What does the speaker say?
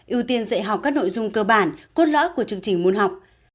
ưu tiên dạy học các nội dung cơ bản cốt lõi của chương trình môn học